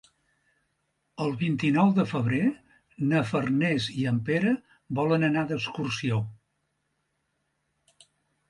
El vint-i-nou de febrer na Farners i en Pere volen anar d'excursió.